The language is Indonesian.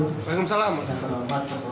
assalamualaikum wr wb